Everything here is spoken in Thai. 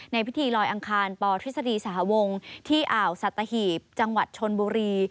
พิธีลอยอังคารปทฤษฎีสหวงที่อ่าวสัตหีบจังหวัดชนบุรี